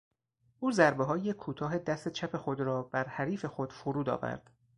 او ضربههای کوتاه دست چپ خود را بر حریف خود فرود آورد.